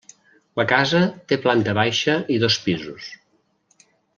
La casa té planta baixa i dos pisos.